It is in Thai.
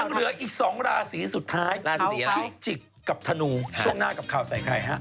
เหลืออีก๒ราศีสุดท้ายราศีพิจิกกับธนูช่วงหน้ากับข่าวใส่ไข่ฮะ